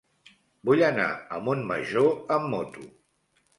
Vull anar a Montmajor amb moto.